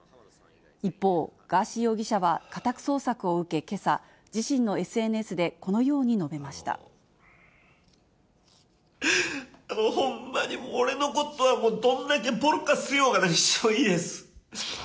一方、ガーシー容疑者は家宅捜索を受けけさ、自身のＳＮＳでこのほんまにもう、俺のことはもうどんだけぼろかす言おうが何しようがいいです。